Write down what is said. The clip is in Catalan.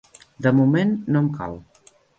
De moment no em cal.